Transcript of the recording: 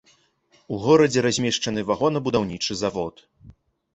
У горадзе размешчаны вагонабудаўнічы завод.